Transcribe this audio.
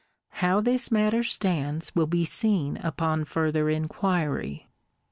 How this mat tor stands will bo soon upon further inquiry.